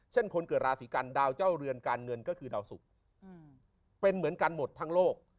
คนเกิดราศีกันดาวเจ้าเรือนการเงินก็คือดาวสุกเป็นเหมือนกันหมดทั้งโลก